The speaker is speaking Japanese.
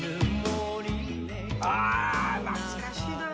ああ懐かしいな。